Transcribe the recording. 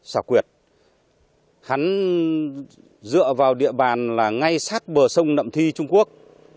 số người lao động tự do trên địa bàn hẻo lánh giáp với biên giới trung quốc